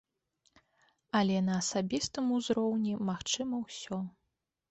Але на асабістым узроўні магчыма ўсё!